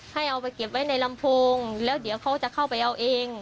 ให้เอาไปเก็บไว้ในลำโพงแล้วเดี๋ยวเขาจะเข้าไปเอาเอง